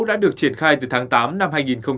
đã được triển khai từ tháng tám năm hai nghìn hai mươi